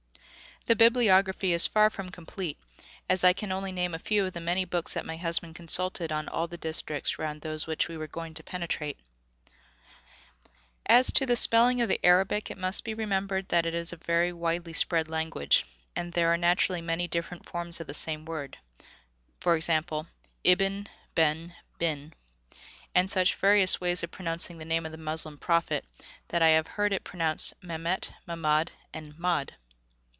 The bibliography is far from complete, as I can name only a few of the many books that my husband consulted on all the districts round those which we were going to penetrate. As to the spelling of the Arabic, it must be remembered that it is a very widely spread language, and there are naturally many different forms of the same word e.g. ibn, ben, bin and such very various ways of pronouncing the name of the Moslem prophet, that I have heard it pronounced Memet, Mamad and Mad.